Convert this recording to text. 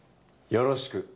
よろしく。